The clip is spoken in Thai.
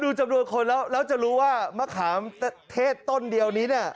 ดูจำนวนคนแล้วจะรู้ว่ามะขามเทศต้นเดียวนี้เนี่ย